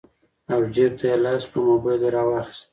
او جېب ته يې لاس کړو موبايل يې رواخيست